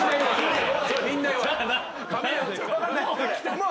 もう。